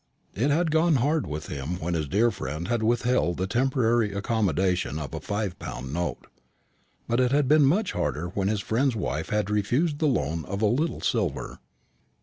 It had gone hard with him when his dear friend had withheld the temporary accommodation of a five pound note; but it had been much harder when his friend's wife had refused the loan of "a little silver."